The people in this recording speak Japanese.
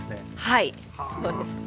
はいそうです。